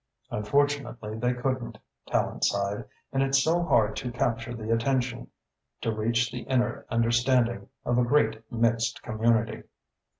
"Unfortunately they couldn't," Tallente sighed, "and it's so hard to capture the attention, to reach the inner understanding, of a great mixed community."